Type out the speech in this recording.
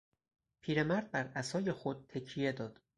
پیر مرد بر عصای خود تکیه داد.